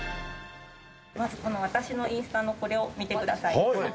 まず、この私のインスタのこれを見てください。